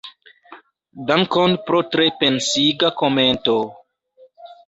Dankon pro tre pensiga komento.